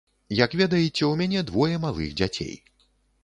Як ведаеце, у мяне двое малых дзяцей.